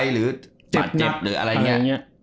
หรือบาดเจ็บหรืออะไรอย่างนี้